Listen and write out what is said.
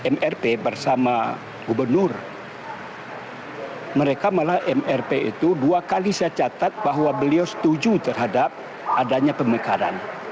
mrp bersama gubernur mereka malah mrp itu dua kali saya catat bahwa beliau setuju terhadap adanya pemekaran